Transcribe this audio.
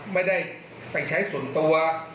ไม่ได้ไปใช้ส่วนตัว